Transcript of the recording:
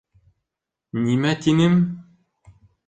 Нимә тинем?